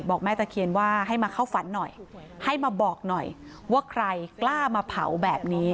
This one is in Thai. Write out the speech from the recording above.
แม่ตะเคียนว่าให้มาเข้าฝันหน่อยให้มาบอกหน่อยว่าใครกล้ามาเผาแบบนี้